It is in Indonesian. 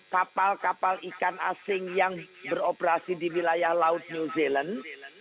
kapal kapal ikan asing yang beroperasi di wilayah laut new zealand